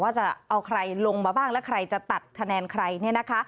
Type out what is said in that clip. จะเอาใครลงมาบ้างแล้วใครจะตัดคะแนนใครเนี่ยนะคะ